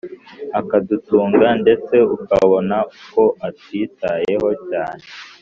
akadutunga ndetse ukabona ko atwitayeho cyane